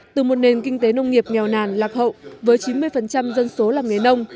từ một nền kinh tế nông nghiệp nghèo nàn lạc hậu với chín mươi dân số làm nghề nông